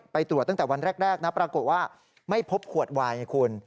ไปตรวจตั้งแต่วันแรกนะปรากฏว่าไม่พบขวดวายไงคุณ